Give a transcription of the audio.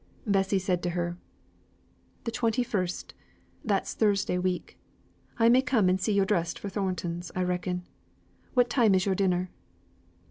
Bessy said to her, "The twenty first that's Thursday week. I may come and see yo' dressed for Thornton's, I reckon. What time is yo'r dinner?"